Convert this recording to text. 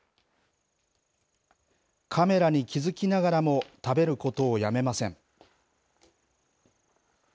カメラに気付きながらも、食べることをやめません。